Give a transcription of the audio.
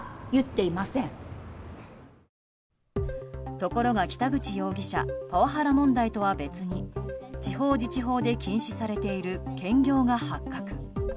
ところが北口容疑者パワハラ問題とは別に地方自治法で禁止されている兼業が発覚。